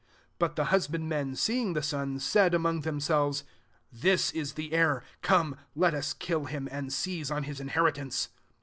* 38 But the husbandmen seeing the son, said among themselves, <This is the heir ; come, let us kill him^ and seize on his inheritanee.'